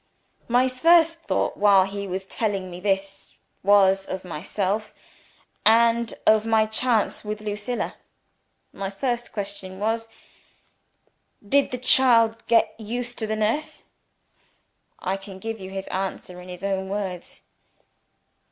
My first thought, while he was telling me this, was of myself, and of my chance with Lucilla. My first question was, 'Did the child get used to the nurse?' I can give you his answer in his own words.